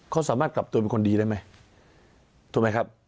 เขาสามารถกลับตัวเป็นคนดีได้ไหมถูกไหมครับ